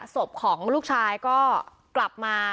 ศพของลูกชายก็กลับมา